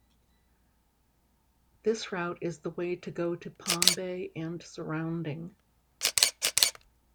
This route is the way to go to Palm Bay and surrounding.